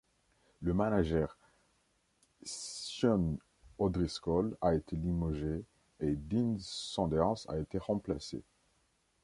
Le manager, Sean O'Driscoll, a été limogé et Dean Saunders a été remplacé.